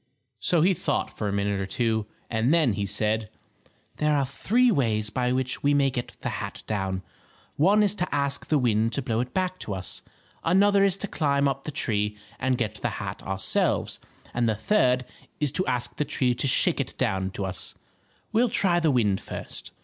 So he thought for a minute or two, and then he said: "There are three ways by which we may get the hat down. One is to ask the wind to blow it back to us, another is to climb up the tree and get the hat ourselves, and the third is to ask the tree to shake it down to us. We'll try the wind first."